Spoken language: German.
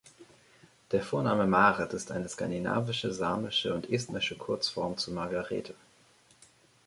Der Vorname Maret ist eine skandinavische, samische und estnische Kurzform zu Margarete.